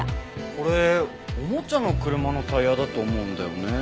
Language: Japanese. これおもちゃの車のタイヤだと思うんだよね。